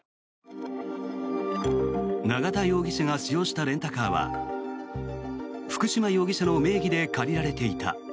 永田容疑者が使用したレンタカーは福島容疑者の名義で借りられていた。